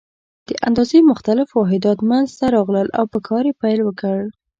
د اندازې مختلف واحدات منځته راغلل او په کار یې پیل وکړ.